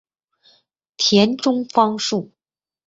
田中芳树。